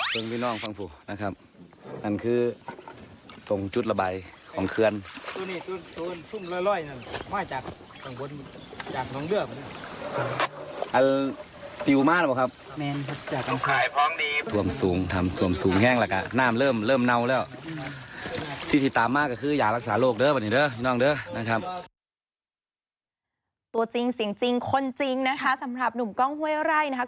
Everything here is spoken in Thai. ตัวจริงเสียงจริงคนจริงนะคะสำหรับหนุ่มกล้องห้วยไร่นะคะ